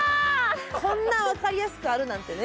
こんな分かりやすくあるなんてね。